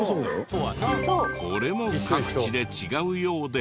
これも各地で違うようで。